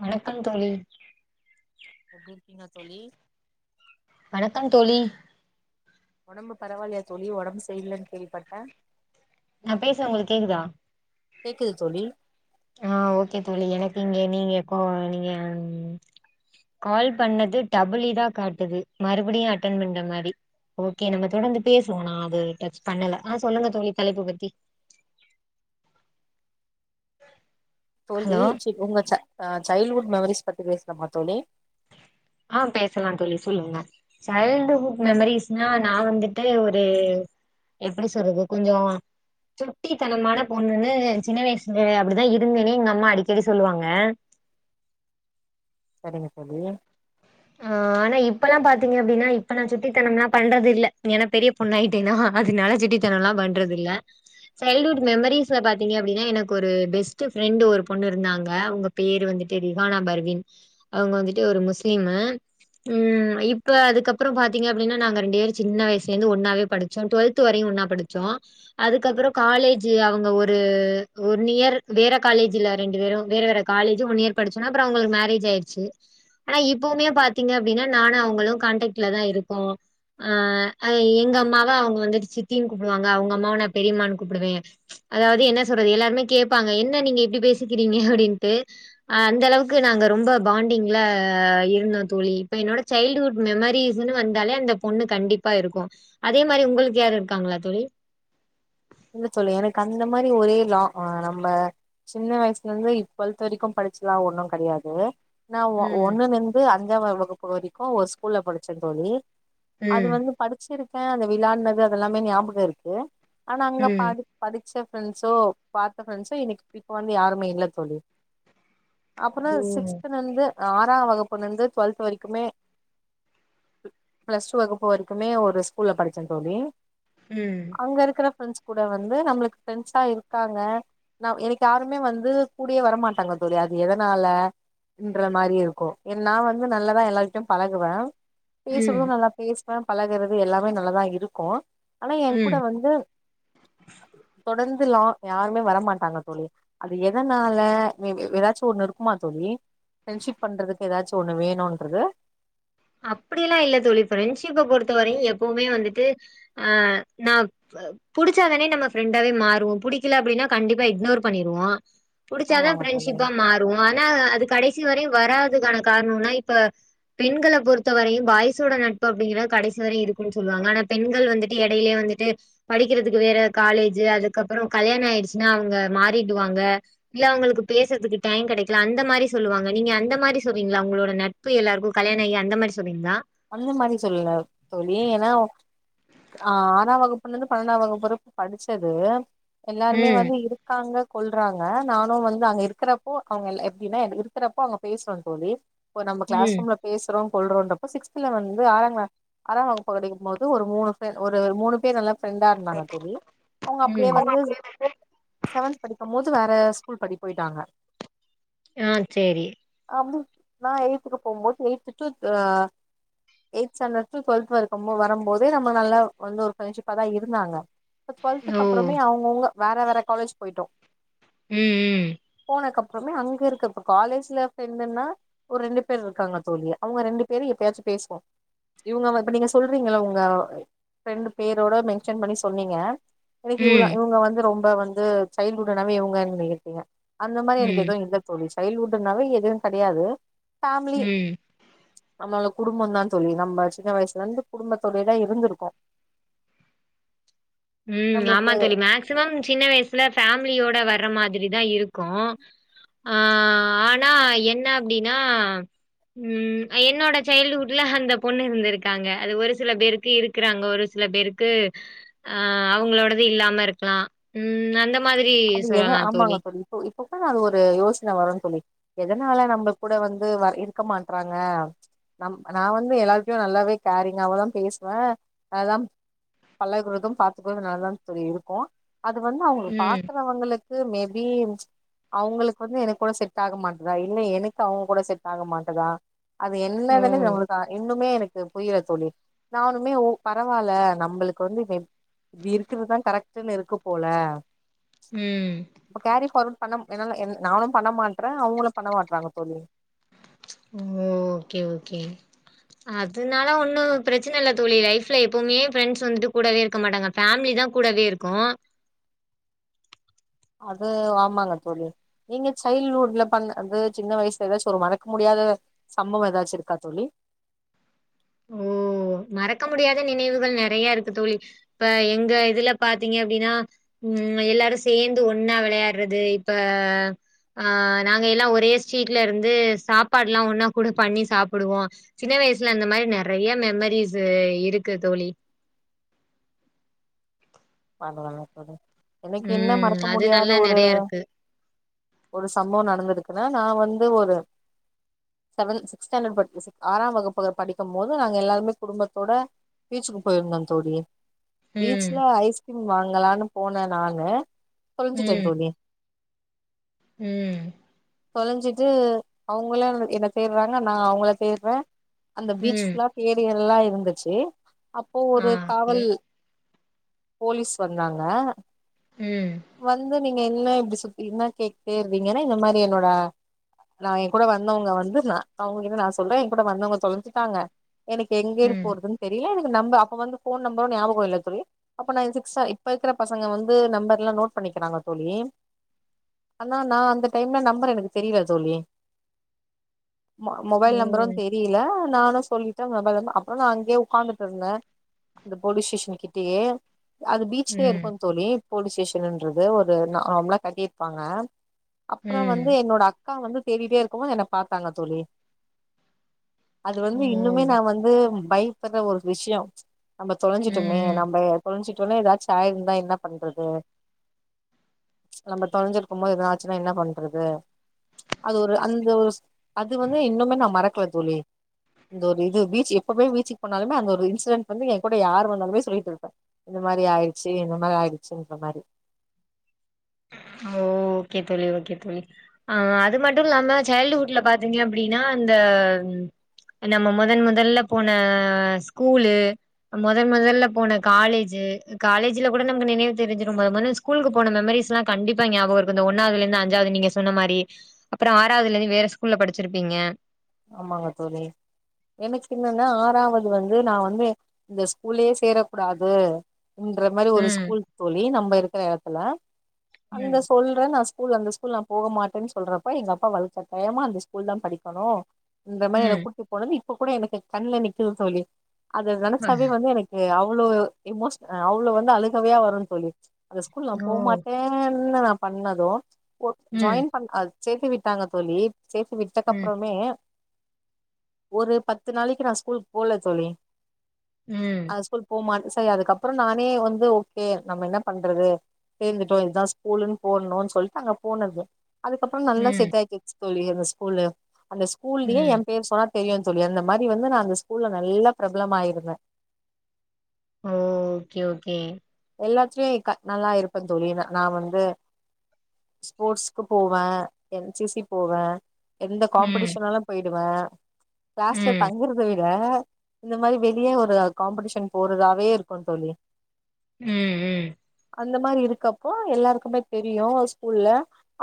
வணக்கம் தோழி எப்டி இருக்கீங்க தோழி வணக்கம் தோழி உடம்பு பரவாயில்லையா தோழி உடம்பு சரி இல்லன்னு கேள்விப்பட்டேன் நா பேசுறேன் உங்களுக்கு கேக்குதா கேக்குது தோழி ஆ ஓகே தோழி எனக்கு இங்க நீங்க கோ நீங்க கால் பண்ணது டபுள் இதா காட்டுது மறுபடியும் அட்டன் பண்ற மாரி ஓகே நம்ம தொடர்ந்து பேசுவோம் நா அது டச் பண்ணல ஆ சொல்லுங்க தோழி தலைப்பு பத்தி தோழி ஹலோ உங் ச் உங்க ச சைல்டடுஹுட் மெமரிஸ் பத்தி பேசலாமா தோழி ஆ பேசலாம் சொல்லி தோழி சொல்லுங்க சைல்டுஹுட் மெமரிஸ்னா நா வந்துட்டு ஒரு எப்டி சொல்றது கொஞ்சோம் சுட்டித்தனமான பொண்ணுன்னு சின்ன வயசுல அப்டிதா இருந்தேன்னே எங்க அம்மா அடிக்கடி சொல்லுவாங்க சரிங்க தோழி ஆ ஆனா இப்பெல்லாம் பாத்தீங்கன்னா அப்டினா இப்ப நா சுட்டித்தனம்லாம் பண்றது இல்ல ஏன்னா பெரிய பொண்ண ஆய்ட்டேனா அதுனால சுட்டித்தனம் எல்லாம் பண்றது இல்ல சைல்டுஹுட் மெம்மரிஸ்ல பாத்தீங்க அப்டின்னா எனக்கு ஒரு பெஸ்ட்டு ஃப்ரெண்ட் ஒரு பொண்ணு இருந்தாங்க அவ்ங்க பேரு வந்துட்டு ரிஹானா பர்வின் அவ்க வந்துட்டு ஒரு முஸ்லிமு ம் இப்ப அதுக்கப்புற பாத்தீங்க அப்புடின்னா நாங்க ரெண்டு வேறு சின்ன வய்சுலேந்து ஒன்னாவே படு சோ டுவல்த்து வரையு ஒன்னா படுச்சோ அதுக்கப்புற காலேஜு அவ்ங்க ஒரு ஒரு நியர் வேற காலேஜ்ல ரெண்டு பேரு வேற வேற காலேஜு ஒன் இயர் படுச்சோன அப்புற அவுங்களுக்கு மேரேஜ் ஆயிட்ச்சு ஆனா இப்பவுமே பாத்தீங்க அப்டினா நானு அவுங்களு காண்டடேக்ட்லதா இருக்கோ அ எங்க அம்மாவா அவுங்க வந்துட்டு சித்தின் கூப்டுவாங்க அவுங்க அம்மாவ நா பெரியமான் கூப்டுவே அதாவ்து என்ன சொல்றது எல்லாருமே கேட்பாங்க என்ன நீங்க இப்டி பேசிக்கிறீங்க அப்டின்ட்டு அ அந்தளவுக்கு நாங்க ரொம்ப பாண்டிங்ல இருந்தோ தோழி இப்ப என்னோட சைல்டுஹுட் மெமரிஸ்ன்னு வந்தாலே அந்த பொண்ணு கண்டிப்பா இருக்கு அதே மாரி உங்களுக்கு யாரு இருக்காங்ளா தோழி இல்ல தோழி எனக்கு அந்த மாரி ஒரே லா நம்ப சின்ன வய்சுலேந்து இப்பொல்த் வரிக்கு படிச்சலா ஒன்னு கடயாது நா ஒ ம் ஒன்னுலேந்து அஞ்சா வ வகுப்பு வரி க்கு ஒரு ஸ்கூல்ல படிச்சே தோழி அது ம் வந்து படிச்சிருக்கே அந்த விளாட்னது அதல்லாமே ஞாபக இருக்கு ஆனா அங்க ம் படி படிச்ச ஃப்ரெண்ட்ஸோ பாத்த ஃப்ரெண்ட்ஸோ இன்னக் பிக் வந்து யாருமே இல்ல தோழி அப்புற ஓ சிக்ஸ்துலந்து ஆறாம் வகுப்புலந்து ட்வல்த்து வரிக்குமே ப்ளஸ் டூ வகுப்பு வரிமே ஒரு ஸ்கூல்ல படிச்ச தோழி ம் அங்க இருக்குற ஃப்ரெண்ட்ஸ் கூட வந்து நம்ளுக்கு ஃப்ரெண்ட்ஸா இருக்காங்க நா எனக் யாருமே வந்து கூடியே வரமாட்டாங்க தோழி அது எதனால ன்ற மாரி இருக்கு நா வந்து நல்லதா எல்லார்ட்யு பழகுவ பேசுறது ம், நல்லா பேஸ்வ பழகுறது எல்லாமே நல்லாதா இருக்கு ஆனா ஏ கூட ம். வந்து தொடந்துலா யாருமே வரமாட்டாங்க தோழி அது எதனால மே பி எதாச்சு ஒன்னு இருக்குமா தோழி ஃப்ரெண்டஷிப் பண்றதுக்கு எதாச்சு ஒன்று வேணுன்றது அப்படி எல்லா இல்ல தோழி ஃப்ரெண்ஷிப்ப பொறுத்த வரயு எப்பவுமே வந்துட்டு அ நா அ புடிச்சாதானே நம்ம ஃப்ரெண்டாவே மாறுவோ ப புடிக்கல அப்டினா கண்டிப்பா இக்னோர் பண்ணிருவோ புடிச்சாதா ஆமாங்க தோழி ஃப்ரெண்டஷிப்பா மாற் று ஆனா அது கடைசி வரயு வராதுக்கான கார்ணோனா இப்ப பெண்கள பொறுத்த வரயு பாய்சோட நட்பு அப்டிங்ளா கடைசி வரயு இருக்குன் சொல்வாங்க ஆனா பெண்கள் வந்துட்டு எடைலே வந்துட்டு படிக்கிறதுக்கு வேற காலேஜு அதுக்கப்புறோ கல்யாண ஆய்டுச்சுனா அவ்ங்க மாறிடுவாங்க இல்ல அவுங்களுக்கு பேசுறதுக்கு டைய கெடக்கில அந்த மாரி சொல்லுவாங்க நீங்க அந்த மாரி சொல்வீங்ளா அவ்ங்ளோட நட்பு எல்லாருக்கு கல்யாண ஆகி அந்த மாரி சொல்றீங்ளா அந்த மாரி சொல்லுல தோழி ஏனா அ ஆறாம் வகுப்புலந்து பன்னண்டா வகுப்பு வர படிச்சது எல்லாருமே ம் வந்து இரு இருக்காங்க கொல்றாங்க நானு வந்து அங்க இருக்குறப்போ அவ்ங்கள் எப்டினா எனக் இர்க்குறப்போ அங்க பேஸ்றோ தோழி போ நம்ப க்ளாஸ் ம் ரூம்ல பேஸ்றோம் கொல்றோன்றப் சிக்ஸ்துல வந்து ஆறாங்ள ஆறாம் வகுப்பு கடிக்கும்போது ஒரு மூணு ஃப்ரெ ஒரு மூணு பேர் நல்லா ஃப்ரெண்டா இர்ந்தாங்க தோழி அவ்ங்க அப்டியே ம் வந்து செவன்த் படிக்கம்மோது வேற ஸ்கூல் படி பொயிட்டாங்க யா சேரி அம்மு நான் எய்த்துக்கு போம்போது எய்த்து டூத் அ எயித் ஸாண்டர் டூ ட்வல்த் வரக்கு மு வரம்போதே நம்ம நல்லா வந்து ஒரு ஃப்ரெண்ட்ஷிப்பா தா இருந்தாங்க இப்ப டுவல்த்துக்கு ஓ அப்பறமே அவங்கவுங்க வேற வேற காலேஜ் போயிட்டோ ம் ம் போனதுக்கு அப்பறமே அங்க இருக்க இப்ப காலேஜ்ல ப்ரெண்டுணா ஒரு ரெண்டு பேர் இருக்காங்க தோழி அவங்க ரெண்டு பேரு எப்பயாச்சு பேசுவோ இவங்க இப்ப நீங்க சொல்றீங்கள உங்க ப்ரெண்டு பேரோட மென்ஷன் பண்ணி சொன்னீங்க எனக்கு இவ்ள ம் இவங்க வந்து ரொம்ப வந்து சைல்டுஹுட்டுனாவே இவங்க நினைத்தீங்க அந்த மாரி ம் எனக்கு ம் எதுவு இல்ல ல தோழி சைல்டுஹுட்டுனாவே எதுவு கிடையாது ஃபேமிலி ம் நம்மள குடும்பம்தா தோழி நம்ம சின்ன வயசுல இருந்து குடும்பத்தோடைய தா இருந்திருக்கோ [unintelligible] ம் நம்மளுக்கு ஆமா தோழி மேக்சிமம் சின்ன வயசுல ஃபேமிலியோட வர்ர மாரி தா இருக்கு ஆ ஆனா என்ன அப்டின்னா ம் என்னோட சைல்டுஹுட்ல அந்த பொண்ணு இருந்திருக்காங்க அது ஒரு சில பேருக்கு இருக்கு கிறாங்க ஒரு சில பேருக்கு அவங்களோடது இல்லாம இருக்கலா இது மாதிரி சொல்லலா தோழி இப்பதான் அது ஒரு யோசனை வரு தோழி எதனால நம்ம கூட வந்து வ இருக்க மாட்டறாங்க நம் நா வந்து எல்லாருகிட்டயு நல்லாவே கேரிங்க அவ்ளவுதா பேசுவே அதான் பழகுறதும் பாத்துக்குறது நல்லதா தோழி இருக்கு அது வந்து அவங்களுக்கு பா ம் அவங்களுக்கு மே பி அவங்களுக்கு வந்து என் கூட செட் ஆக மாட்டதா இல்ல எனக்கு அவங்க கூட செட் ஆக மாட்டதா அது ஓ என்னதன்னு நம்மளுக்கு இன்னுமே எனக்கு க்கு புரியால தோழி நானுமே உ பரவா இல்ல நம்மளுக்கு வந்து இது இருக்குறதா கரெக்டுன்னு இருக்கு போல ம் இப்ப கேரி ஃபார்வட் பண்ண என்னால நானு பண்ண மாட்றே அவங்களு பண்ண மாட்டறாங்க தோழி ஓகே ஓகே அதனால ஒன்னு பிரச்சனை இல்ல தோழி லைஃப்ல எப்பவுமே ஃப்ரெண்ட்ஸ் வந்துட்டு கூடவே இருக்க மாட்டாங்க ஃபேமிலி தா கூடவே இருக்கு அது ஆமாங்க தோழி நீங்க சைல்டுஹுட்ல பண்ணது சின்ன வயசுல ஏதாச்சு ஒரு மறக்க முடியாத சம்பவ ஏதாச்சு இருக்கா தோழி ஓ [unintelligible] மறக்க முடியாத நினைவுகள் நெறைய இருக்கு தோழி இப்ப எங்க இதுல பாத்தீங்க அப்டின்னா ம் எல்லாரு சேர்ந்து ஒன்னா விளையாடுறது இப்ப ஆ நாங்க எல்லா ஒரே ஸ்ட்ரீட்ல இருந்து சாப்பாடுல்லா ஒன்னா கூட பண்ணி சாப்பிடுவோ சின்ன வயசுல அந்த மாரி நெறைய மெமரிஸ்சு இருக்கு தோழி எனக்கு என்ன ம் மறக்க அது முடியாத நல்லா ஒரு நெறைய இருக்கு ஒரு சம்பவ நடந்திருக்குனா நா வந்து ஒரு செவன் சிக் ஸ்டாண்டர்ட் படிக் ஆறாம் வகுப்பு படிக்கும் போது நாங்க எல்லாருமே குடும்பத்தோட பீச்சுக்கு போயிருந்தோ தோழி ம் பீச்ல ஐஸ்கிரீம் வாங்கலான்னு போனே நானு தொலைஞ்சிட்டே ம் தோழி ம் தொலைஞ்சிட்டு அவங்களு என்ன தேடுறாங்க நா அவங்கள தேடுறே அந்த பீச்சு ம் ஃபுல்லா ஏரியர்ல்லா இருந்துச்சு அப்போ ஆ ஒரு ஓகே காவல் போலீஸ் வந்தாங்க ம் வந்து நீங்க என்ன இப்டி சுத்தி என்னா கேட்டுட்டே இருந்தீங்கன்னா இந்த மாரி என்னோட நா எ கூட வந்தவுங்க வந்து நா அவுங்ககிட்ட நா சொல்றே எ கூட வந்தவுங்க தொலஞ்சுட்டாங்க எனக்கு எங்கேடு ம் போறதுன் தெரில எனக்கு நம்ப அப்ப வந்து ஃபோன் நம்பரு ஞாபகோ ‌இல்ல தோழி அப்ப நா இ சிக் சா இப்ப இருக்குற பசங்க வந்து நம்பர்ல்லா நோட் பண்ணிக்கிறாங்க தோழி ஆனா நா அந்த டைம்ல நம்பர் எனக்கு தெரியல தோழி ம மொபைல் நம்பரு ம் தெரியல நானு சொல்லிட்டே மொபைல இருந்து அப்பறோ நா அங்கயே உக்காந்துட்ருந்தே அந்த போலீஸ் ஸ்டேஷன் கிட்டயே அது பீச்சலயே ம் இருக்கு தோழி போலீஸ் ஸ்டேஷனுன்றது ஒரு நார்மலா கட்டிருப்பாங்க அப்பறோ வந்து ம் என்னோட அக்கா வந்து தேடிட்டே இருக்கும்மோது என்ன பாத்தாங்க தோழி அது ஓ வந்து இன்னுமே நா வந்து பயப்படுற ஒரு விஷ்யோ நம்ம ம் தொலஞ்சுட்டோமே ம் நம்ம தொலஞ்சுட்டோனே ஏதாது ஆய் இருந்தா என்ன பண்றது நம்ம தொலைஞ்சுருக்கும் போது எது ஆச்சுனா என்ன பண்றது அது ஒரு அந்த அது வந்து இன்னுமே நா மறக்கல தோழி இந்த ஒரு இது பீச் எப்பமே பீச்சுக்கு போனாலுமே அந்த ஒரு இன்சிடண்ட் வந்து எ கூட யாரு வந்தாலுமே சொல்லிட்ருப்பே இது மாரி ஆயிருச்சு இந்த மாரி ஆயிடுச்சுங்கற மாரி ஓ ஓகே தோழி ஓகே தோழி ஆ அது மட்டு இல்லாம சைல்டுஹுட்ல பாத்தீங்க அப்டின்னா இந்த நம்ம மொதன் மொதல்ல போன ஸ்கூலு மொதன் மொதல்ல போன காலேஜு காலேஜுல கூட நமக்கு நினைவு தெருஞ்சுரு மொத மொதல்ல இந்த ஸ்கூலுக்கு போன மெமரிஸ் லா கண்டிப்பா ஞாபகோ இருக்கு இந்த ஒன்னாவதுல இருந்து அஞ்சாவது நீங்க சொன்ன மாரி அப்பறோ ஆறாவதுல இருந்து வேற ஸ்கூல்ல படுச்சுருப்பீங்க ஆமாங்க தோழி எனக்கு என்னன்னா ஆறாவது வந்து நா வந்து இந்த ஸ்கூல்லயே சேர கூடாது என்ற மாரி ஒரு ம் ஸ்கூல் ‌தோழி நம்ம இருக்குற எடத்துல அந்த ம் சொல்றே நா ஸ்கூல் அந்த ஸ்கூல் நா போக மாட்டேன் சொல்றப்ப எங்கப்பா வளுக்கட்டாயமா அந்த ஸ்கூல் தா படிக்கணு என்ற மாரி என ம் கூட்டு போனது இப்ப கூட எனக்கு கண்ல நிக்குது தோழி அத நெனச்சாவே வந்து எனக் கு அவ்ளோ எமோஷ் அவ்ளோ வந்து அழுகவையா வரு தோழி அந்த ஸ்கூல் நா ஓ போமாட்டே டேன்னு நா பண்ணது போ ம் ஜாய்ன் பண் அது சேத்து விட்டாங்க தோழி சேத்து விட் ம் டக்கப்பறமே ஒரு பத்து நாளைக்கு நா ஸ்கூலுக்கு போல தோழி ம் அந்த ஸ்கூல் போமாட் சேர் அதுக்கப்பறோ நானே வந்து ஓகே நம்ம என்ன பண்றது சேந்துட்டோ இதா ஸ்கூல்ன்னு போட்ணுன் சொல்ட்டு அங்க போனது அதுக்கப்பறோ நல்லா ம் செட் ஆய்கிச்சு தோழி அந்த ஸ்கூலு அந்த ஸ்கூல்லயே எ ம் பேர் சொன்னா தெரியு தோழி அந்த மாரி வந்து நா அந்த ஸ்கூல்ல நல்லா பிரபளம் ஆயிருந்தே ம் ஓகே ஓகே எல்லாத்துலயு க நல்லா இருப்பே தோழி நா நா வந்து ஸ்போர்ட்ஸ்க்கு போவே என் சி சி போவே எந்த ம் காம்படிஷன்னாலு போயிடுவே கிளாஸ்ல ம் தங்கறது தவிர இந்த மாரி வெளிய ஒரு காம்படிஷன் போறதாவே இருக்கு தோழி ம் ம் அந்த மாரி இருக்கப்போ எல்லாருக்குமே தெரியு ஸ்கூல்ல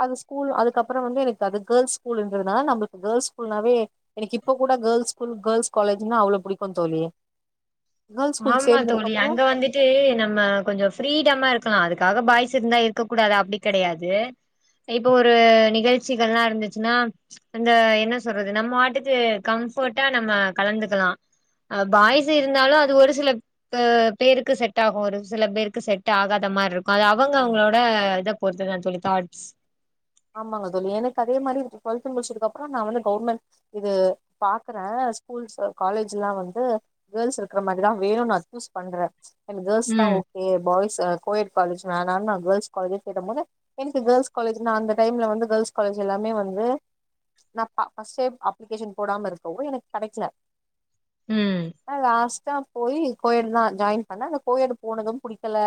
அது ஸ்கூல் அதுக்கப்பறோ வந்து எனக்கு அது கேள்ஸ் ஸ்கூல்ன்றதுனால நம்மளுக்கு கேள்ஸ் ஸ்கூலுன்னாவே எனக்கு இப்போ கூட கேர்ள்ஸ் ஸ்கூல் கேர்ள்ஸ் காலஜ்ன்னா அவ்ளோ புடிக்கு தோழி கேர்ள்ஸ் ஸ்கூல் ஆமா சேர்ந்ததுக்கு தோழி அப்புறோ அங்க வந்துட் டு நம்ம கொஞ்சோ ஃப்ரீடமா இருக்கலா அதுக்காக பாய்ஸ் இருந்தா இருக்க கூடாது அப்டி கெடையாது இப்போ ஒரு நிகழ்ச்சிகள்லா இருந்துச்சுன்னா அந்த என்ன சொல்றது நம்மவாட்டுக்கு கம்ஃபர்ட்டா நம்ம கலந்துக்கலா அ பாய்ஸ்ஸு இருந்தாலு அ து ஒரு சில க பேருக்கு செட் ஆகு ஒரு சில பேருக்கு செட் ஆகாத மாருக் கு அது அவங்க ஆமா அவங்களோட இத பொறுத்துதா தோழி தாட்ஸ் ஆமாங்க தோழி எனக்கு அதே மாரி டுவெல்து முடிச்சதுக்கு அப்றோ நா வந்து கவுர்மெண்ட் இது பாக்குறே ஸ்கூல்ஸ் காலேஜ்ல்லா வந்து கேள்ஸ் இருக்குற மாரிதா வேணுன் நா அக்யூஸ் பண்றே என கேள்ஸ் தா ம் ஓக் கே பாய்ஸ் அ கோ எட் காலேஜ் வேணா நா கேர்ள்ஸ் காலேஜே சேரமுன்ன எனக்கு கேர்ள்ஸ் காலேஜ் நா அந்த டைம்ல வந்து கேள்ஸ் காலேஜ் எல்லாமே வந்து நா ப ஃபஸ்ட் டைம் அப்ளிகேஷன் போடாம இருக்கோவு எனக் கெடைக்கல ம் ஆ லாஸ்டா போய் கோ எட்தா ஜாயின் பண்ண ஆனா கோ எட்டு போனது வந் புடிக்கல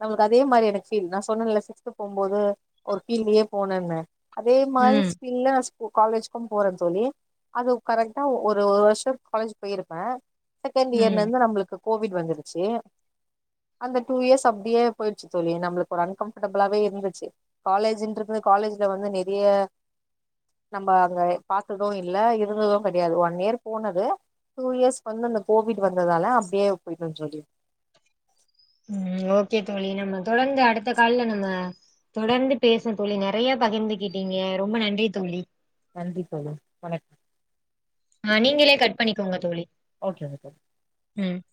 எங்களுக்கு அதே மாரியன ஃபீல் நா சொன்னேன்ல சிக்ஸ்த் போம்போது ஒரு ஃபீல்லு போனேனு அதே மாரி ம் ஸ்பில்ல காலேஜுக்கு போறே தோழி அது கரெக்டா ஒ ஒரு வருஷோ காலேஜ் போயிருப்பே செகண்ட் இயர்ல ம் இருந்து நம்மளுக்கு கோவிட் வந்துருச்சு அந்த டூ இயர்ஸ் அப்டியே போயிடுச்சு தோழி நம்மளுக்கு ஒரு அன்கம்ஃபர்டபிளாவே இருந்துச்சு காலேஜ்ன்ற ஏனா காலேஜ்ல வந்து நெறைய நம்ம அங்க பாத்தது இல்ல இருந்தது கெடையாது ஒன் இயர் போனது டூ இயர்ஸ் வந்து அந்த கோவிட் வந்ததால அப்டியே போயிட்டே தோழி ம் ஓகே தோழி நம்ம தொடர்ந்து அடுத்த கால்ல நம்ம தொடர்ந்து பேசுவோ தோழி நெறைய பகிர்ந்துக்கிட்டீங்க ரொம்ப நன்றி தோழி நன்றி தோழி வணக்கம் ஆ நீங்களே கட் பண்ணிக்கோங்க தோழி ஓகே ஓகே ம்